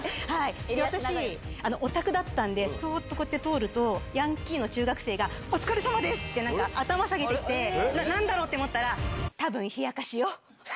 私、オタクだったんで、そーっと通ると、ヤンキーの中学生が、お疲れさまですってなんか、頭下げてきて、何だろう？って思ったら、たぶん冷やかしよ。